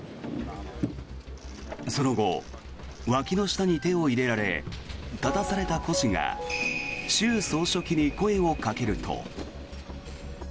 その後、わきの下に手を入れられ立たされた胡氏が習総書記に声をかけると。